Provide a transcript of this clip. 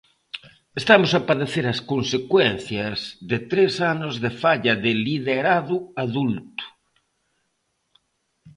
Estamos a padecer as consecuencias de tres anos de falla de liderado adulto.